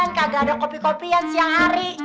enggak ada kopi kopian siang hari